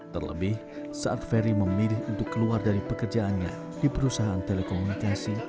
terlebih saat ferry memilih untuk keluar dari pekerjaannya di perusahaan telekomunikasi